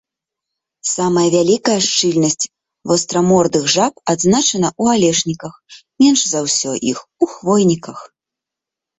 Самая вялікая шчыльнасць вастрамордых жаб адзначана ў алешніках, менш за ўсё іх у хвойніках.